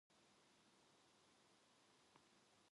그래서 그들은 밤에 남직공을 틈틈이 만나 보려고 애를 쓰곤 하였던 것이다.